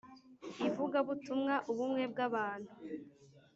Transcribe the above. Ivugabutumwa Ubumwe bw’abantu